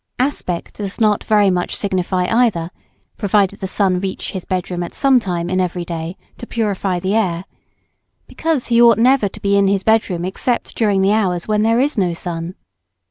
Aspect does not very much signify either (provided the sun reach his bed room some time in every day, to purify the air), because he ought never to be in his bed room except during the hours when there is no sun.